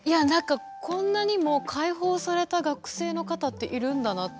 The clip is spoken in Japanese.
こんなにも解放された学生の方っているんだなって。